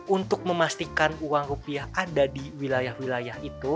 untuk memastikan uang rupiah ada di wilayah wilayah itu